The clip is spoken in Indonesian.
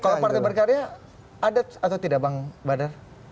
kalau partai berkarya ada atau tidak bang badar